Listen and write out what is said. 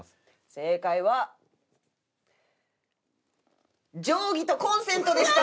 正解は「定規」と「コンセント」でした！